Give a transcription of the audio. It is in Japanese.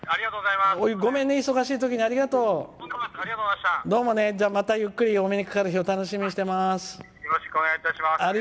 またゆっくりお目にかかる日を楽しみにしてます。